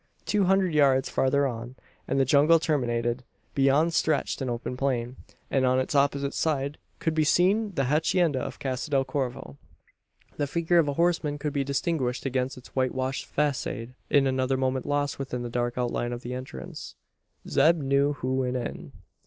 Two hundred yards farther on, and the jungle terminated. Beyond stretched an open plain; and on its opposite side could be seen the hacienda of Casa del Corvo. The figure of a horseman could be distinguished against its whitewashed facade in another moment lost within the dark outline of the entrance. Zeb knew who went in.